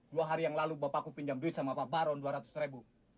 dua hari yang lalu bapak aku pinjam duit sama pak baron dua ratus ribu